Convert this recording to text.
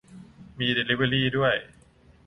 มีเดลิเวอรี่ด้วย